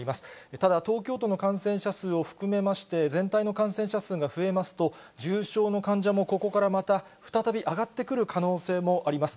ただ、東京都の感染者数を含めまして、全体の感染者数が増えますと、重症の患者もここからまた再び上がってくる可能性もあります。